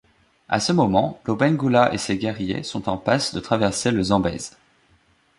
À ce moment, Lobengula et ses guerriers sont en passe de traverser le Zambèze.